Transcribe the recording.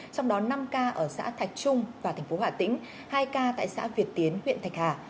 trong đó năm ca ở xã thạch trung và thành phố hà tĩnh hai ca tại xã việt tiến huyện thạch hà